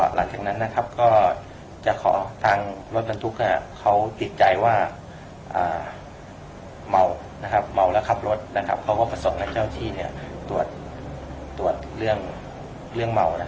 หลังจากนั้นทางรถบรรทุกเขาติดใจว่าเมาและขับรถเขาก็ประสบในเจ้าที่ตรวจเรื่องเมา